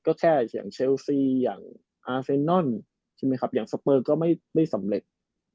ก็แค่อย่างเชลซีอย่างอาเซนนอนอย่างสเปิร์กก็ไม่สำเร็จ